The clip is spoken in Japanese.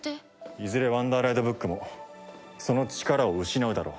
いずれワンダーライドブックもその力を失うだろう。